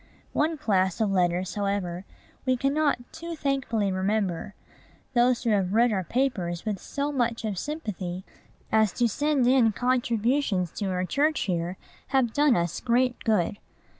One class of letters, however, we cannot too thankfully remember. Those who have read our papers with so much of sympathy as to send in contributions to our church here have done us great good.